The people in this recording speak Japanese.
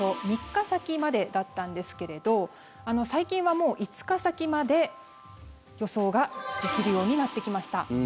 ３日先までだったんですけれど最近はもう５日先まで予想ができるようになってきました。